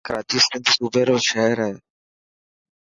ڪراچي سنڌ صوبي رو شهر.